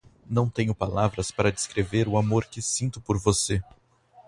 Não tenho palavras para descrever o amor que sinto por você